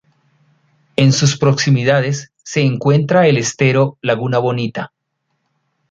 En sus proximidades se encuentra el estero Laguna Bonita.